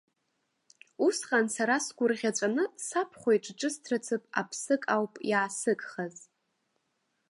Усҟан сара сгәырӷьацәаны сабхәа иҿы ҿысҭрацы аԥсык ауп иаасыгхаз.